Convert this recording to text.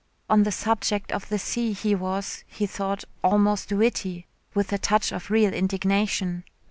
On the subject of the sea he was, he thought, almost witty, with a touch of real indignation.